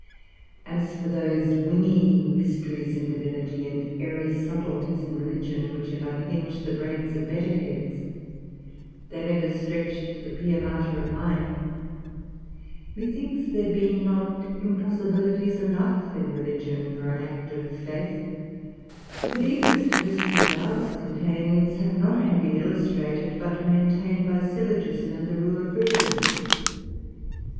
As for those wingy mysteries in divinity, and airy subtleties in religion, which have unhinged the brains of better heads, they never stretched the pia mater of mine: methinks there be not impossibilities enough in religion for an active faith; the deepest mysteries ours contains have not only been illustrated, but maintained, by syllogism and the rule of reason.